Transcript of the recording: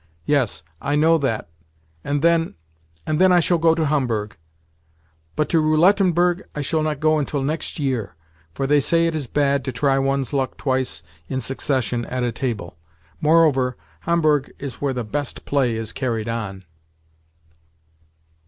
Yes, I know that, and then—and then I shall go to Homburg. But to Roulettenberg I shall not go until next year, for they say it is bad to try one's luck twice in succession at a table. Moreover, Homburg is where the best play is carried on.